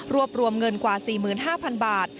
รวมเงินกว่า๔๕๐๐๐บาท